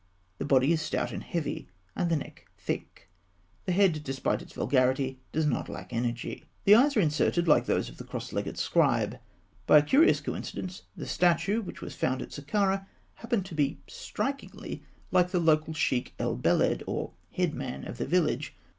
The body is stout and heavy, and the neck thick. The head (fig. 191), despite its vulgarity, does not lack energy. The eyes are inserted, like those of the "Cross legged Scribe." By a curious coincidence, the statue, which was found at Sakkarah, happened to be strikingly like the local Sheikh el Beled, or head man, of the village.